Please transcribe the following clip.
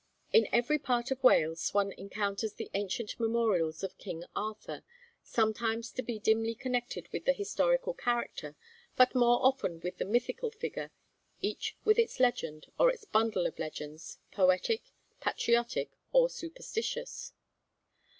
In every part of Wales one encounters the ancient memorials of King Arthur sometimes to be dimly connected with the historical character, but more often with the mythical figure each with its legend, or its bundle of legends, poetic, patriotic, or superstitious.